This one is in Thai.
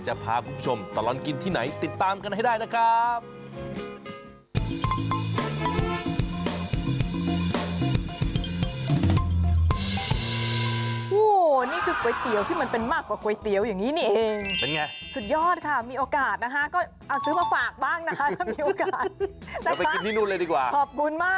จะพาคุณผู้ชมตลอดกินที่ไหนติดตามกันให้ได้นะครับ